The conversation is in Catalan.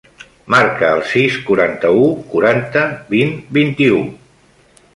Marca el sis, quaranta-u, quaranta, vint, vint-i-u.